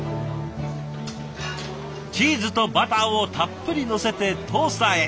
チーズとバターをたっぷりのせてトースターへ。